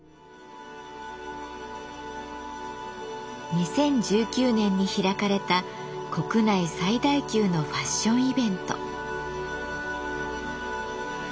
２０１９年に開かれた国内最大級のファッションイベント。